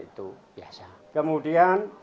itu biasa kemudian